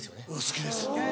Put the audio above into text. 好きです。